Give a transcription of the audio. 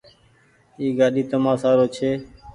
اي گآڏي تمآ سآرو ڇي۔